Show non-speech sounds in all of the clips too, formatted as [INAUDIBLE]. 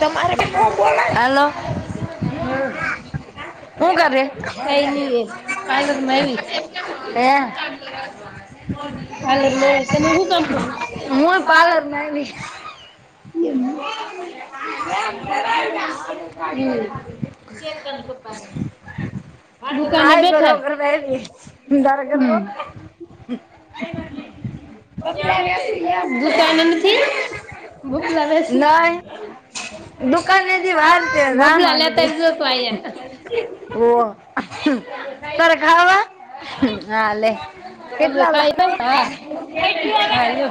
તમારે [INAUDIBLE] હલો હમ હું કરે? કઈ નઈ પાર્લર માં આવી. હે [INAUDIBLE] પાર્લર માં આવી તમે હું કામ કરો? હું એ પાર્લરમાં આયવી. [INAUDIBLE] [INAUDIBLE] હમ આ દુકાને આય બેઠા. બરોબર માં આવી તારે કરવો હમ બબલા બેસી યાર [INAUDIBLE] દુકાને નથી? ભૂપલા [INAUDIBLE] નહીં. દુકાનેથી વાર [INAUDIBLE] બબલા લેતા આવજો તો અહિયાં. હોવ. પર ખાવા? હા લે. અમે કેટલા [INAUDIBLE] ખાઈ હા. હાલો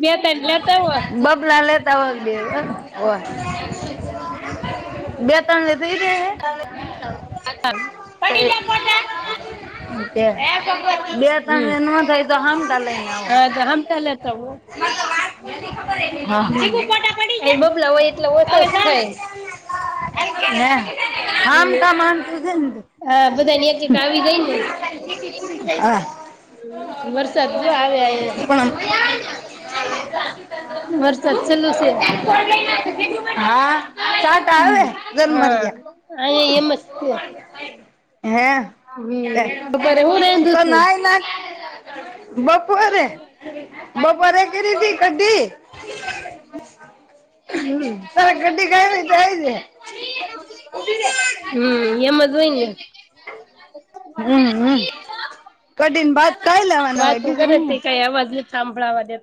બે તન લેતા આવો. બબલા લેે. [INAUDIBLE] હોવ. [INAUDIBLE] બે ત્રણ લે થઈ રહે [INAUDIBLE] [INAUDIBLE] બે હમ્મ. ત્રણએ નો થાય. તો હામટા લઈને આવો. [INAUDIBLE] હા તો હમટા લેતા આવો. હહ [INAUDIBLE] એ બબલા હોય એટલા ઓશા જ થાય. હે આમ કામ આમ થઈ જાય હમ ને તો. હા બધાને એક એક આવી જાય ને. હા [INAUDIBLE] વરસાદ જો આવે પણ અહીંયા. [INAUDIBLE] [INAUDIBLE] વરસાદ ચલુ સે. હા ટાટ આવે તન હા અહિયાં એમ જ છે. માર્યા હે હમ તે બપોરે હું રાંધુ તો તું નાય ના બપોરે બપોરે કરી તી કડી [INAUDIBLE] હમ ગડી કાઈ તો આવી છે ઊભી રે. હમ એમેજ હોય ને હમ હમ કઢીને ભાત ખાઈ લેવાના હોય વાતું બીજું કર હું તે કઈ અવાજ નથી સાંભળવા દે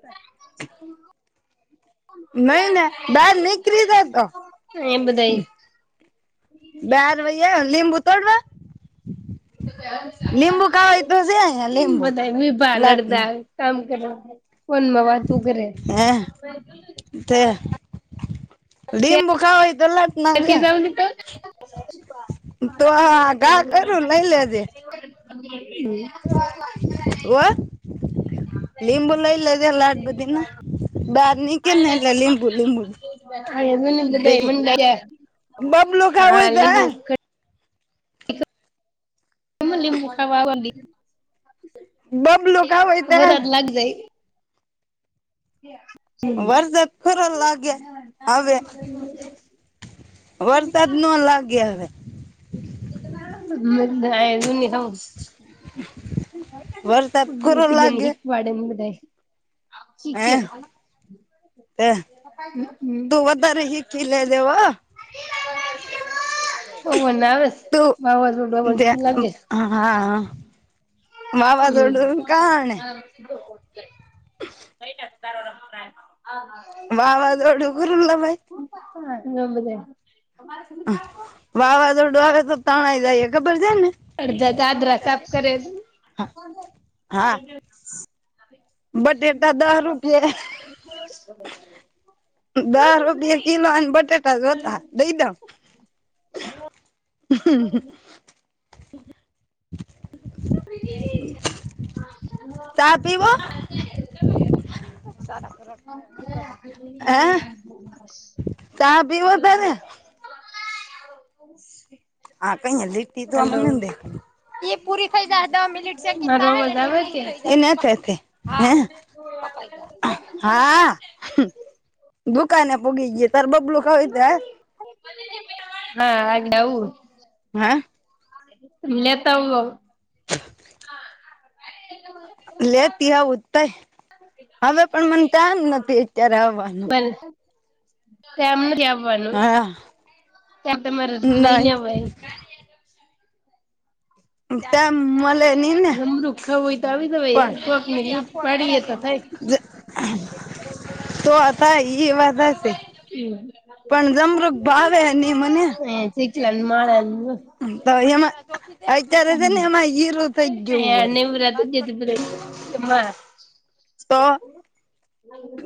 એ નઈ ને બહાર નીકળી જતો બધાય બાર વઈયા લીંબુ તોડવા લીંબુ ખાવાય તો છે અહીંયા લીંબુ બધા [UNINTELLIGIBLE] ભાનડ લાટના દાળ કામ કરો ફોનમાં વાંતું કરે. હે તે લીંબુ ખાવા હોય તો લે કી જઉ તો આ ઘા ની કરું તો [INAUDIBLE] વ લીંબુ લઈ લેજે લાટ બધીના બહાર નીકળે ને એટલે તો લીંબુ લીંબુ પેરી બધા બોબલો ખાવું હા હોય લીંબુ તો. લીંબુ ખાવાલી બબલું ખાવું હોય તો હાલ વરાદ લાગ જાય [INAUDIBLE] વરસાદ ખરા લાગે હવે વરસાદ ન લાગે હવે. [UNINTELLIGIBLE] વરસાદ ખરો લાગે [UNINTELLIGIBLE] શીખે હે હમ તે વધારે હીખી લે જે વ પવન આવે છે વાવાઝોડું તું એવી શું ત્યાં લાગે છે. હા. વાવાઝોડું કારણે હંમ [INAUDIBLE] વાવાઝોડુ [UNINTELLIGIBLE] ભાઈ [INAUDIBLE] વાવાઝોડુ આવે તો તાણાય જાય ખબર છે ને. અડધા આદ રસ આપ કરે લુ હા [UNINTELLIGIBLE] બટેટા દહ રૂપીયા દહ રૂપિયા કિલો અને બટાટા જોતા દઈ દેમ [INAUDIBLE] [INAUDIBLE] [INAUDIBLE] ચા પીવો. હે [INAUDIBLE] ચા પીવો તારે [INAUDIBLE] હા કઈ લટી હલો તોવામનેે [INAUDIBLE] એ પૂરી થઈ જાય તો મિનિટ સેકડ મારો થાય ને અવાજ એટલે આવે પૂરું છે. થઈ જાય હા ઓ ભાઈ હા. દુકાને પુગી ગયુ તારે બબલું ખાવુ હોય તો આ [INAUDIBLE] હા [INAUDIBLE] આવું હા. લેતા આવો. હા [INAUDIBLE] લેતી આવું તઈ હવે પણ મને તાઈમ નથી અત્યારે આવવાનું પણ [INAUDIBLE] હા. ત્યાં તમારે લય નહી લેવાઈ [INAUDIBLE] મલે ની ને નમરું ખાવું હોય તો આવી જવાય પણ એ કોકની પછી આપ લૂટ ફોન પાડીએ કરાવે તો થાય. [INAUDIBLE] તો હતા એ વાત હશે હમ. પણ જમરુક ભાવે નહી મને શકલન મળન [INAUDIBLE] તો એમાં અત્યારે છે ને એમાં હીરું થઇ ગયુ અયા હોય. નેવરાતી જે [INAUDIBLE] તો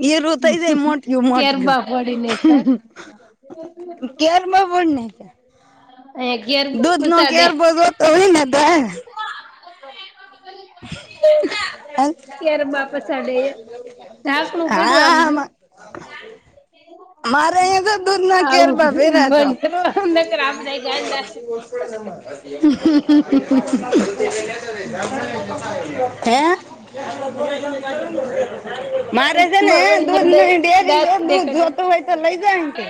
હીરુ થઈ જાય મોટયું મોટયું ગેરબા ફોડી નાયખા કેર બોને છે અયા ગેરબા દૂધનો પસાડે. કેર ભરો તો ઈ [INAUDIBLE] હ [INAUDIBLE] હ ગેરબા પસાડે. ઢાંકણું પડ્યું આમ હા [INAUDIBLE] જો [INAUDIBLE] મારે અહીં તો દૂધના કેર આવું ભયરા તો બંધ [INAUDIBLE] કરવા નકર આ બધાય ગાંડા [INAUDIBLE] હે [INAUDIBLE] મારે છે ને વળી ગયા બધાય દૂધની ડેરી દાંત દૂધ દેખાડે જોતું હોય તો લઈ જા અહીથી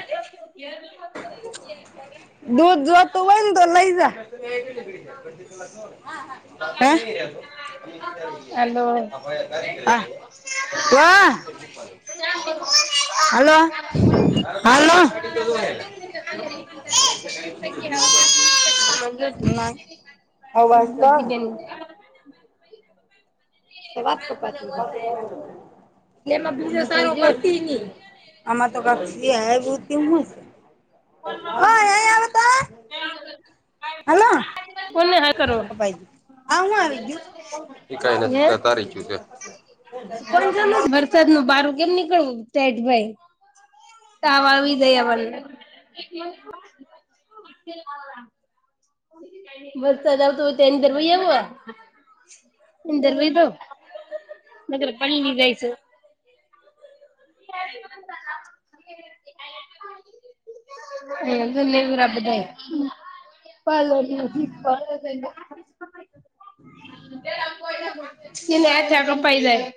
[INAUDIBLE] દૂધ જોતુ હોયને તો લઈ જા હાલો [UNINTELLIGIBLE] હા [INAUDIBLE] હાલો હાલો [INAUDIBLE] પાંચ મિનિટ પછી પછી કેસે, અવાજ તો ભગવતી બેન તો વાત કપાતી હોય એટલે એમાં બીજો સારું જો કરતી ની આમાં તો [INAUDIBLE] હા હાલ કોને કરો ું હે આવી જ દ નું બારું કેમ નીકળવું તેઠ ભાઈ તવાળવી જયાને વરસાદ આવતો હોય ત્યા અંદર વહી આવ ંદર ભ તો નગર પની જાય છે [INAUDIBLE] એરાબડા પલો કે ના થ કમ પાઈ જાય